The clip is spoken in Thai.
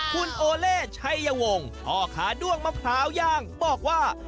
คุณโอเล่ชัยวงศ์พ่อขาด้วงมะพร้าวย่างบอกว่า